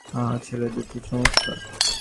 আহা, ছেলে দুটি চমৎকার।